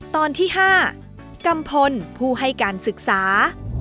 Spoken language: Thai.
ตอนที่๕กัมพลผู้ให้การศึกษา